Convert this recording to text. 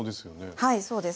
はいそうです。